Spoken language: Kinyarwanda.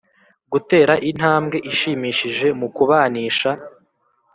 Gutera intambwe ishimishije mu kubanisha